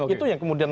itu yang kemudian